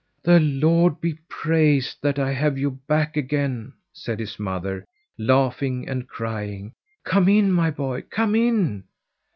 "The Lord be praised that I have you back again!" said his mother, laughing and crying. "Come in, my boy! Come in!"